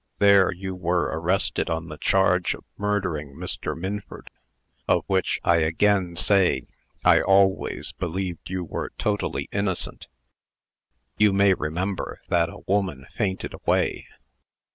There you were arrested on the charge of murdering Mr. Minford of which, I again say, I always believed that you were totally innocent. You may remember that a woman fainted away.